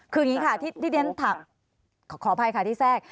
คืออย่างนี้ค่ะที่เรียนถามขออภัยค่ะที่แทรก